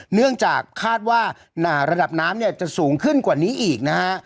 เนื่องจากคาดว่าระดับน้ำเนี่ยจะสูงขึ้นกว่านี้อีกนะฮะ